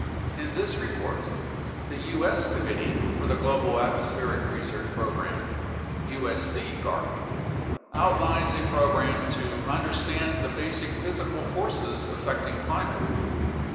In this report, the U.S. Committee for the Global Atmospheric Research Program (usogarp) outlines a program to "understand the basic physical forces affecting climate."